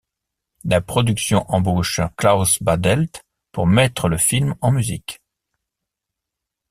La production embauche Klaus Badelt pour mettre le film en musique.